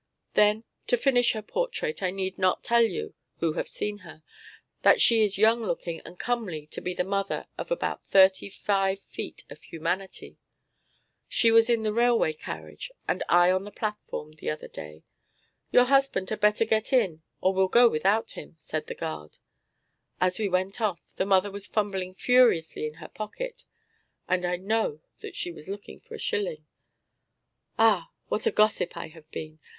Then to finish her portrait I need not tell you, who have seen her, that she is young looking and comely to be the mother of about thirty five feet of humanity. She was in the railway carriage and I on the platform the other day. "Your husband had better get in or we'll go without him," said the guard. As we went off, the mother was fumbling furiously in her pocket, and I know that she was looking for a shilling. Ah! what a gossip I have been!